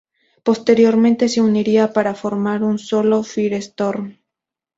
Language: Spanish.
Posteriormente se unirían para formar un solo Firestorm.